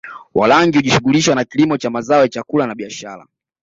Warangi hujishughulisha na kilimo cha mazao ya chakula na biashara